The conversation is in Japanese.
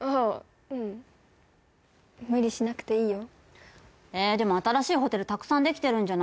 ああうん無理しなくていいよえーでも新しいホテルたくさんできてるんじゃない？